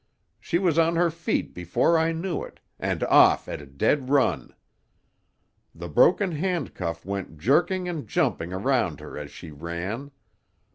She was on her feet before I knew it, and off at a dead run. The broken handcuff went jerking and jumping around her as she ran.